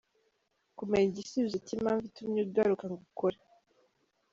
Kumenya igisubizo cy’impamvu itumye uhaguruka ngo ukore.